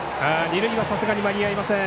二塁はさすがに間に合いません。